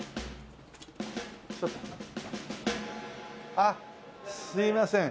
あっすいません。